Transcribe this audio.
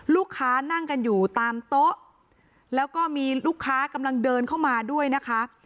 นั่งกันอยู่ตามโต๊ะแล้วก็มีลูกค้ากำลังเดินเข้ามาด้วยนะคะ